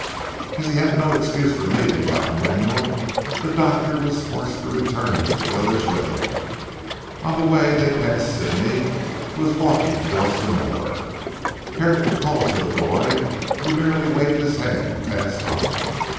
As he had no excuse for leaving Don Manuel the doctor was forced to return to the village with him. On the way they passed Sidney, who was walking towards the moor. Herrick called to the boy, who merely waved his hand and passed on.